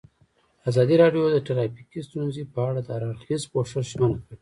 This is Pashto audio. ازادي راډیو د ټرافیکي ستونزې په اړه د هر اړخیز پوښښ ژمنه کړې.